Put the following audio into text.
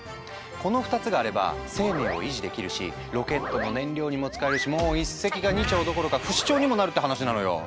この２つがあれば生命を維持できるしロケットの燃料にも使えるしもう一石が二鳥どころか不死鳥にもなるって話なのよ。